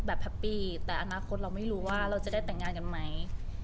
แฮปปี้แต่อนาคตเราไม่รู้ว่าเราจะได้แต่งงานกันไหม